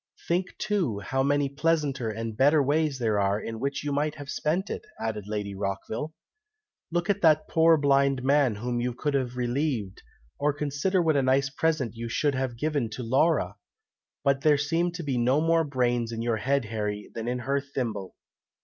"Think, too, how many pleasanter and better ways there are, in which you might have spent it!" added Lady Rockville. "Look at that poor blind man whom you could have relieved, or consider what a nice present you should have given to Laura! But there seem to be no more brains in your head, Harry, than in her thimble!"